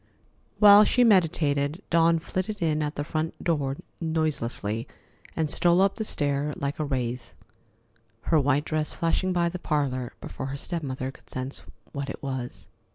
While she meditated, Dawn flitted in at the front door noiselessly and stole up the stair like a wraith, her white dress flashing by the parlor before her step mother could sense what it was.